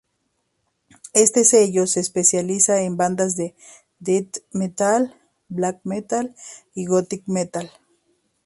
Este sello se especializa en bandas de death metal, black metal y gothic metal.